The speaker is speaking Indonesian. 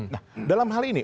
nah dalam hal ini